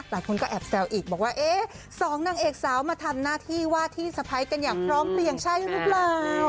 หลายคนก็แอบแซวอีกบอกว่าเอ๊ะสองนางเอกสาวมาทำหน้าที่ว่าที่สะพ้ายกันอย่างพร้อมเพลียงใช่หรือเปล่า